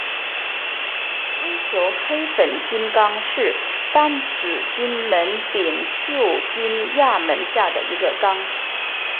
微球黑粉菌纲是担子菌门柄锈菌亚门下的一个纲。